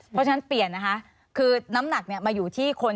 เพราะฉะนั้นเปลี่ยนนะคะคือน้ำหนักมาอยู่ที่คน